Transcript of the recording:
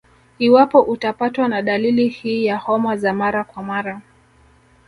Iwapo utapatwa na dalili hii ya homa za mara kwa mara